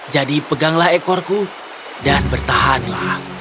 jadi peganglah ekorku dan bertahanlah